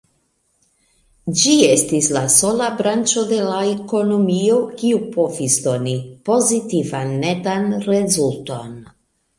Ĝi estis la sola branĉo de la ekonomio, kiu povis doni pozitivan netan rezulton.